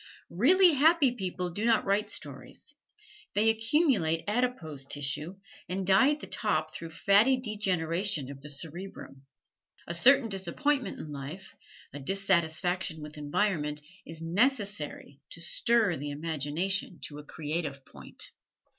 Really happy people do not write stories they accumulate adipose tissue and die at the top through fatty degeneration of the cerebrum. A certain disappointment in life, a dissatisfaction with environment, is necessary to stir the imagination to a creative point.